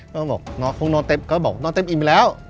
ก็บอกนอนคงนอนเต็มก็บอกนอนเต็มอิ่มไปแล้ว